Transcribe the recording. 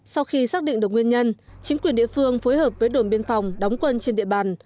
sau khi xác định được nguyên nhân chính quyền địa phương phối hợp với đồn biên phòng đóng quân trên địa bàn